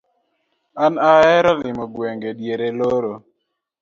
an ahero limo gweng'a diere loro.